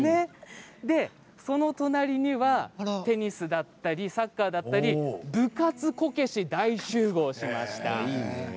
その隣にはテニスだったりサッカーだったり部活こけし大集合しました。